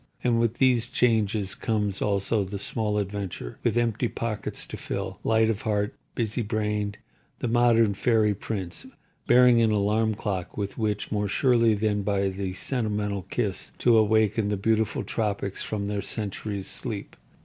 And with these changes comes also the small adventurer, with empty pockets to fill, light of heart, busy brained—the modern fairy prince, bearing an alarm clock with which, more surely than by the sentimental kiss, to awaken the beautiful tropics from their centuries' sleep.